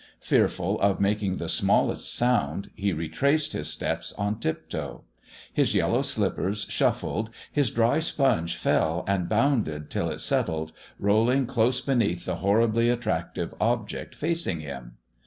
Fearful of making the smallest sound, he retraced his steps on tiptoe. His yellow slippers shuffled. His dry sponge fell, and bounded till it settled, rolling close beneath the horribly attractive object facing him.